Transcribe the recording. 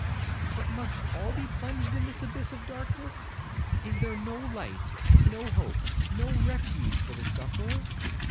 'But, must all be plunged in this abyss of darkness? Is there no light, no hope, no refuge, for the sufferer?